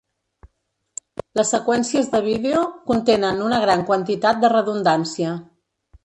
Les seqüències de vídeo contenen una gran quantitat de redundància.